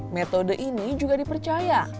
metode ini juga dipercaya